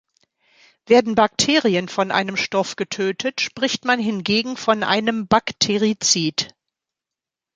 Werden Bakterien von einem Stoff getötet, spricht man hingegen von einem Bakterizid.